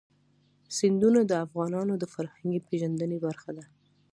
سیندونه د افغانانو د فرهنګي پیژندنې برخه ده.